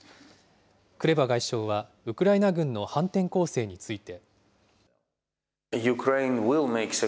クレバ外相はウクライナ軍の反転攻勢について。